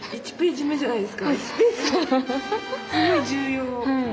すごい重要！